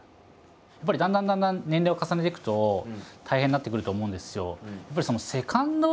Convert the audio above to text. やっぱりだんだんだんだん年齢を重ねていくと大変になってくると思うんですよ。